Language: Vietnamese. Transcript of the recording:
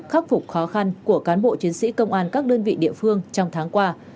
khắc phục khó khăn của cán bộ chiến sĩ công an các đơn vị địa phương trong tháng qua